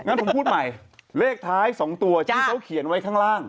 งั้นผมพูดใหม่เลขท้าย๒ตัวที่เขาเขียนไว้ข้างล่าง